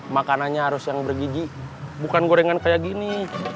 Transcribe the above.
makanannya harus yang bergiji bukan gorengan kayak gini